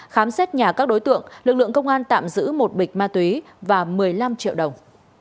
khám xét nhà các đối tượng lực lượng công an tạm giữ một bịch ma túy và một mươi năm triệu đồng